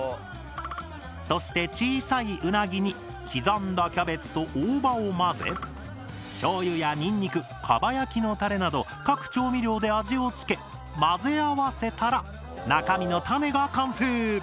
そして小さいウナギに刻んだキャベツと大葉を混ぜしょうゆやニンニクかば焼きのタレなど各調味料で味をつけ混ぜ合わせたら中身のタネが完成！